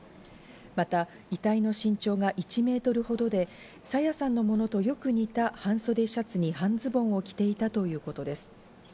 また遺体の身長が１メートルほどで朝芽さんのものとよく似た半袖シャツに半ズボンを着ていたということです。